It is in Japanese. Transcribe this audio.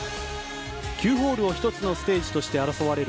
９ホールを１つのステージとして争われる